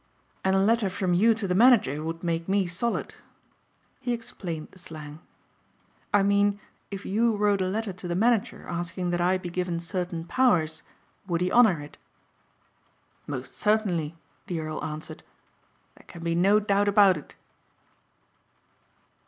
"And a letter from you to the manager would make me solid." He explained the slang, "I mean if you wrote a letter to the manager asking that I be given certain powers would he honor it?" "Most certainly," the earl answered. "There can be no doubt about it."